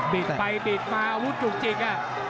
ไปบิดมาอาวุธจุกจิก